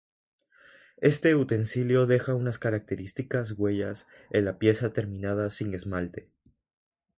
Este utensilio deja unas características huellas en la pieza terminada sin esmalte.